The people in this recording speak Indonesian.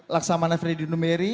laksamana fredy numberi